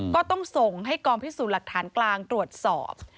ก็ต้องส่งให้กองพิสูจน์หลักฐานกลางตรวจสอบ